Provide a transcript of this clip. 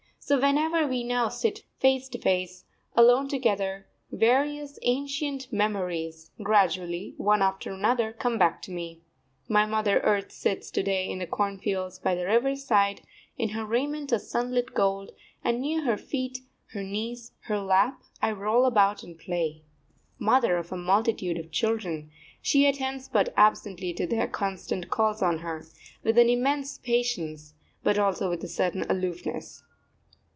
So whenever we now sit face to face, alone together, various ancient memories, gradually, one after another, come back to me. My mother earth sits to day in the cornfields by the river side, in her raiment of sunlit gold; and near her feet, her knees, her lap, I roll about and play. Mother of a multitude of children, she attends but absently to their constant calls on her, with an immense patience, but also with a certain aloofness.